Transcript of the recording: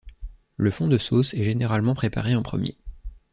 Le fond de sauce est généralement préparé en premier.